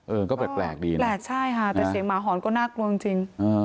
เออก็แปลกดีนะแปลกใช่ค่ะแต่เสียงหมาหอนก็น่ากลัวจริง